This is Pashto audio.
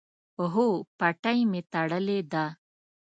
هو، پټۍ می تړلې ده